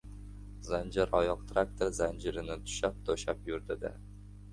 Zanjiroyoq traktor zanjirini tushab-to‘shab yuradi-da.